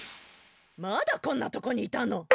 まだこんなとこにいたの？